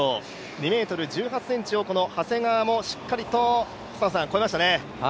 ２ｍ１８を長谷川もしっかりと超えましたね。